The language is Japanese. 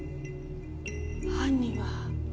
犯人は？